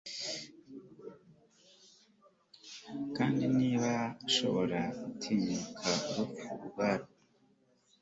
Kandi niba ashobora gutinyuka urupfu ubwabwo